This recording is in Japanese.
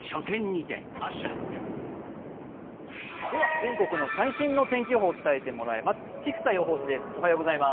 全国の最新の天気予報を伝えてもらいます。